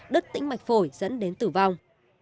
đứt tĩnh mạch phổi dẫn đến tử vong